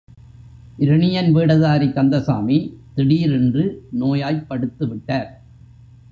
இரணியன் வேடதாரி கந்தசாமி திடீரென்று நோயாய்ப் படுத்துவிட்டார்.